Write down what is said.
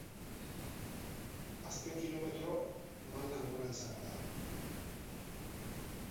Azken kilometro maldan gora izango da.